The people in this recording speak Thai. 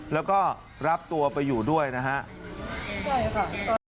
แล้วก็รับตัวไปอยู่ด้วยนะครับ